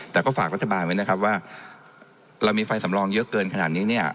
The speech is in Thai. แต่ก็ฝากรัฐบาลไว้นะครับว่าเรามีไฟสำรองเยอะเกินขนาดนี้เนี่ย